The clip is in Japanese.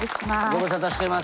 ご無沙汰してます。